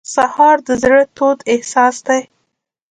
سهار د زړه تود احساس دی.